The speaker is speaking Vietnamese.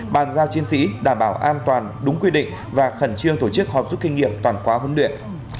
bàn giao chiến sĩ đảm bảo an toàn đúng quy định và khẩn trương tổ chức họp rút kinh nghiệm toàn khóa huấn luyện